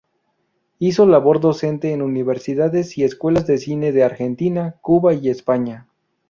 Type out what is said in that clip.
Hizo labor docente en universidades y escuelas de cine de Argentina, Cuba y España.